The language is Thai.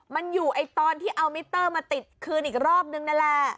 มันอยู่ตอนที่เอามิเตอร์มาติดคืนอีกรอบนึงนั่นแหละ